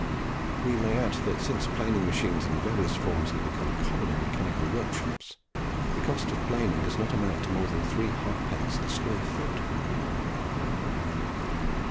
We may add that since planing machines in various forms have become common in mechanical workshops, the cost of planing does not amount to more than three halfpence the square foot.